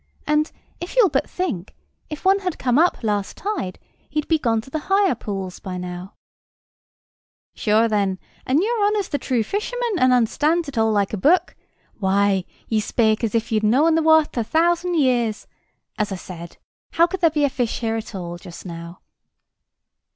and, if you'll but think, if one had come up last tide, he'd be gone to the higher pools by now." [Picture: Dennis with pigs] "Shure thin, and your honour's the thrue fisherman, and understands it all like a book. Why, ye spake as if ye'd known the wather a thousand years! As I said, how could there be a fish here at all, just now?"